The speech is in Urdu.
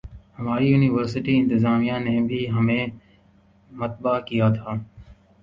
ہماری یونیورسٹی انتظامیہ نے بھی ہمیں متبنہ کیا تھا